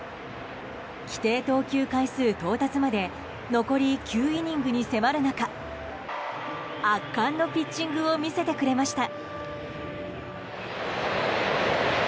規定投球回数到達まで残り９イニングに迫る中圧巻のピッチングを見せてくれました。